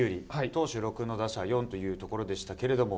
投手６の打者４というところでしたけれども。